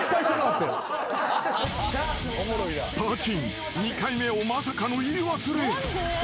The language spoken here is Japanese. ［パーちん２回目をまさかの言い忘れ］